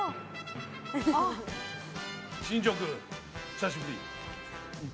新庄君、久しぶり。